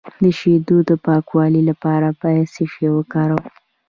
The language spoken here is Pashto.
د شیدو د پاکوالي لپاره باید څه شی وکاروم؟